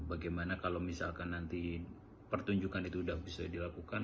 bagaimana kalau misalkan nanti pertunjukan itu sudah bisa dilakukan